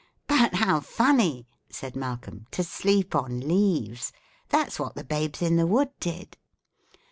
"But how funny," said Malcolm, "to sleep on leaves! That's what the Babes in the Wood did."